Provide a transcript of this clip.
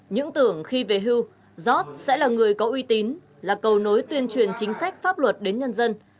những tưởng khi về hưu giót sẽ là người có uy tín là cầu nối tuyên truyền chính sách pháp luật đến nhân dân